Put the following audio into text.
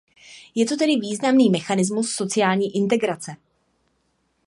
Je to tedy významný mechanismus sociální integrace.